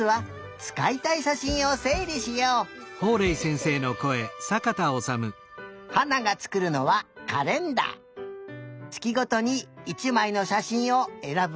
つきごとに１まいのしゃしんをえらぶことにしたよ。